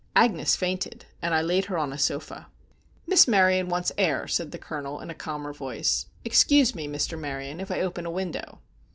Agnes fainted, and I laid her on a sofa. "Miss Maryon wants air," said the Colonel, in a calmer voice. "Excuse me, Mr. Maryon, if I open a window."